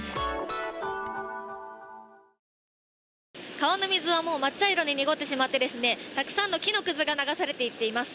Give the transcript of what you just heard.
川の水はもう抹茶色に濁ってしまいまして、たくさんの木のくずが流されていっています。